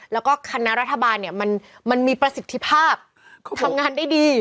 แล้วก็คณะรัฐบาลเนี่ยมันมีประสิทธิภาพทำงานได้ดี